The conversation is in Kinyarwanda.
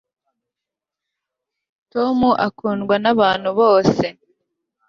tom akundwa nabantu bose